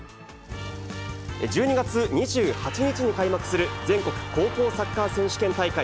１２月２８日に開幕する、全国高校サッカー選手権大会。